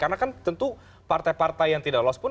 karena kan tentu partai partai yang tidak lolos pun